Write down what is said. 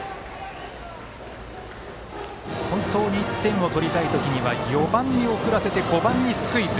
本当に１点を取りたい時には４番に送らせて５番にスクイズ。